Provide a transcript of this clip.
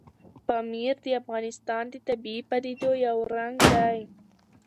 پامیر د افغانستان د طبیعي پدیدو یو رنګ دی.